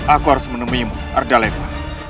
aku harus menemui mu ardalema